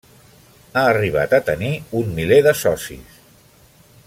Ha arribat a tenir un miler de socis.